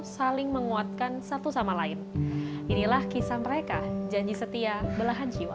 saling menguatkan satu sama lain inilah kisah mereka janji setia belahan jiwa